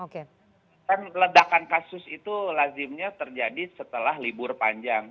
kan ledakan kasus itu lazimnya terjadi setelah libur panjang